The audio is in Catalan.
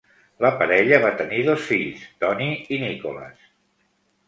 La parella va tenir dos fills, Tony i Nicholas.